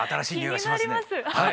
気になりますはい。